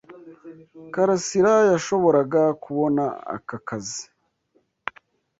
Karasira yashoboraga kubona aka kazi.